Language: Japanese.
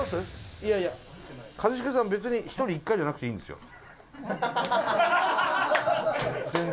伊達：一茂さん、別に１人１回じゃなくていいんですよ、全然。